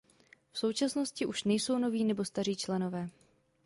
V současnosti už nejsou noví nebo staří členové.